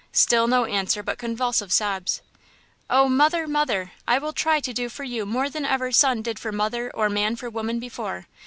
Still no answer but convulsive sobs. "Oh, mother, mother! I will try to do for you more than ever son did for mother or man for woman before!